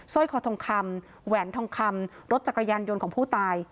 ร้อยคอทองคำแหวนทองคำรถจักรยานยนต์ของผู้ตาย